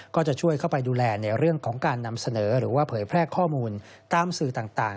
ก็จะช่วยเข้าไปดูแลในเรื่องของการนำเสนอหรือว่าเผยแพร่ข้อมูลตามสื่อต่าง